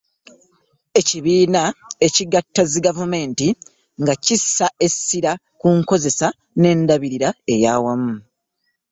Ekibiina ekigatta zigavumenti, nga kissa essira ku nkozesa n’endabirira ey’awamu.